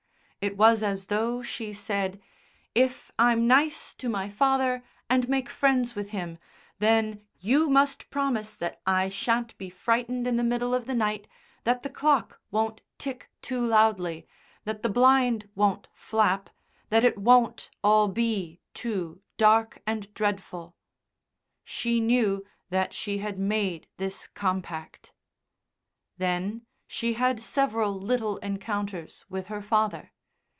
It was as though she said: "If I'm nice to my father and make friends with him, then you must promise that I shan't be frightened in the middle of the night, that the clock won't tick too loudly, that the blind won't flap, that it won't all be too dark and dreadful." She knew that she had made this compact. Then she had several little encounters with her father.